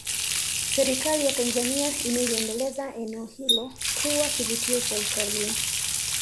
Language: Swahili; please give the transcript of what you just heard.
Serikali ya Tanzania imeliendeleza eneo hilo kuwa kivutio cha utalii